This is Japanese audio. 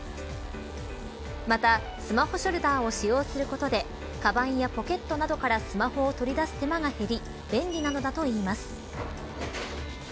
またスマホショルダーを使用することでかばんやポケットなどからスマホを取り出す手間が減り便利なのだといいます。